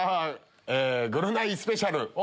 『ぐるナイ』スペシャル。